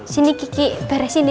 sini kiki beresin ya